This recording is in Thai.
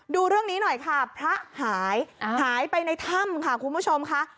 ดูเรื่องนี้หน่อยค่ะพระหายหายไปในถ้ำค่ะคุณผู้ชมค่ะ